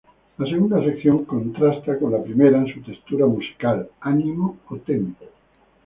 La segunda sección contrasta con la primera en su textura musical, ánimo o tempo.